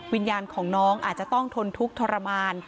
วิญญาณของน้องอาจจะต้องทนทุกข์ทรมาน